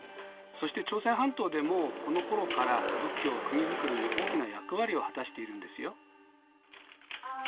そして朝鮮半島でもこのころから仏教が国づくりに大きな役割を果たしているんですよ。